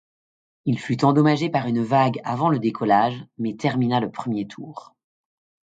Il fut endommagé par une vague avant le décollage, mais termina le premier tour.